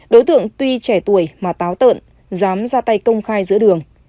đối tượng tuy trẻ tuổi mà táo tợn dám ra tay công khai giữa đường